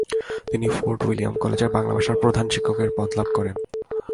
তিনি Fort William কলেজের বাংলা ভাষার প্রধান শিক্ষকের পদ লাভ করেন।